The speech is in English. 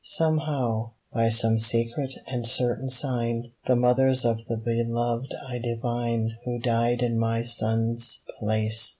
Somehow, by some secret and certain sign, The mothers of the beloved I divine Who died in my sons' place.